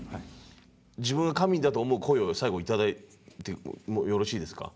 自分が神民だと思う声を最後頂いてもよろしいですか？